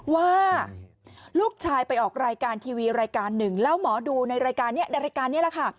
ว่าลูกชายไปออกรายการทีวีรายการหนึ่งแล้วหมอดูในรายการนี้ในรายการนี้แหละค่ะ